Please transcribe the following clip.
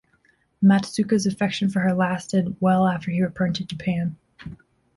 Matsuoka's affection for her lasted well after he returned to Japan.